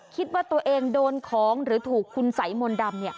คิดว่าตัวเองโดนของหรือถูกคุณสัยมนต์ดำ